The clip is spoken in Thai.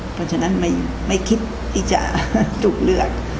เพราะฉะนั้นไม่คิดที่จะถูกเลือก